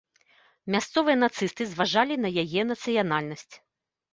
Мясцовыя нацысты зважалі на яе нацыянальнасць.